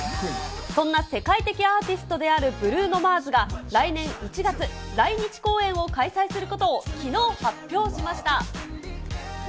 そんな世界的アーティストであるブルーノ・マーズが、来年１月、来日公演を開催することをきのう発表しました。